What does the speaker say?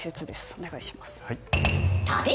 お願いします。